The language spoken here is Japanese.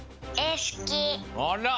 あら！